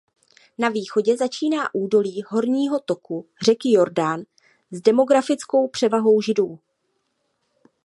Na východě začíná údolí horního toku řeky Jordán s demografickou převahou Židů.